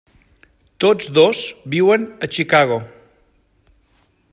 Tots dos viuen a Chicago.